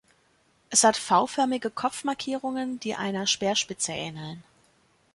Es hat V-förmige Kopfmarkierungen, die einer Speerspitze ähneln.